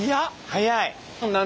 速い！